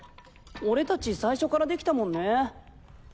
俺達最初からできたもんね。